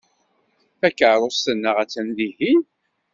Takeṛṛust-nneɣ attan dihin.